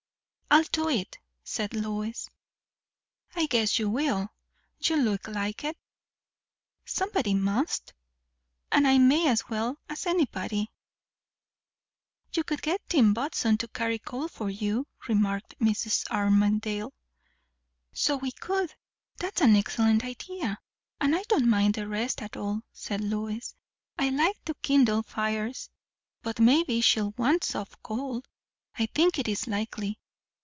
"I'll do it," said Lois. "I guess you will! You look like it." "Somebody must; and I may as well as anybody." "You could get Tim Bodson to carry coal for you," remarked Mrs. Armadale. "So we could; that's an excellent idea; and I don't mind the rest at all," said Lois. "I like to kindle fires. But maybe she'll want soft coal. I think it is likely.